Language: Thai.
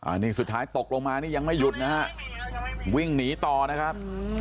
อันนี้สุดท้ายตกลงมานี่ยังไม่หยุดนะฮะวิ่งหนีต่อนะครับ